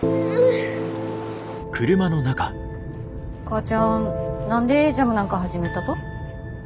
母ちゃん何でジャムなんか始めたと？